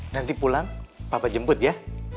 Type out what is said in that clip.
nanti pulang papa jemput ya